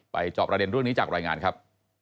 จอบประเด็นเรื่องนี้จากรายงานครับ